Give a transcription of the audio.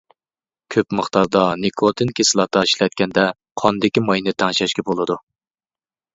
كۆپ مىقداردا نىكوتىن كىسلاتاسى ئىشلەتكەندە قاندىكى ماينى تەڭشەشكە بولىدۇ.